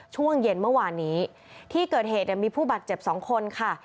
ช่วงเย็นเมื่อวานนี้ที่เกิดเหตุมีผู้บาดเจ็บ๒คนค่ะ